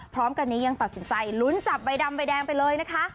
พร้อมกันนี้ยังตัดสินใจลุ้นจับใบดำใบแดงไปเลยนะคะ